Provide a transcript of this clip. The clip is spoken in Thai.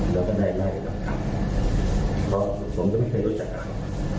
แล้วก็ได้ไล่หลักฐานเพราะผมก็ไม่เคยรู้จักใคร